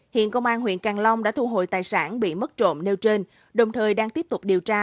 hiện công an huyện càng long đã thu hồi tài sản bị mất trộm nêu trên đồng thời đang tiếp tục điều tra